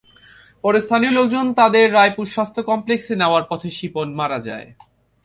পরে স্থানীয় লোকজন তাঁদের রায়পুর স্বাস্থ্য কমপ্লেক্সে নেওয়ার পথে শিপন মারা যায়।